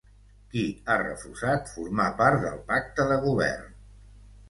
Qui ha refusat formar part del pacte de govern?